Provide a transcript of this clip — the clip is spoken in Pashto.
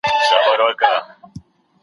په ادارو کي باید بډي نه وي.